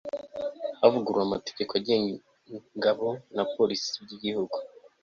havuguruwe amategeko agenga ingabo na polisi by'igihugu